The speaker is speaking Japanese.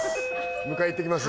迎え行ってきます